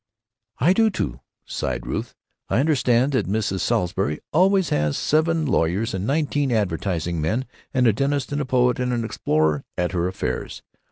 "I do too," sighed Ruth. "I understand that Mrs. Salisbury always has seven lawyers and nineteen advertising men and a dentist and a poet and an explorer at her affairs.